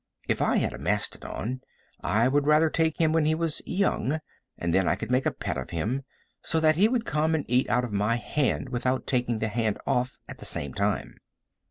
If I had a mastodon I would rather take him when he was young, and then I could make a pet of him, so that he could come and eat out of my hand without taking the hand off at the same time.